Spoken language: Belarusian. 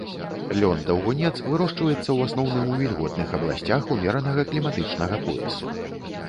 Лён-даўгунец вырошчваецца ў асноўным у вільготных абласцях умеранага кліматычнага поясу.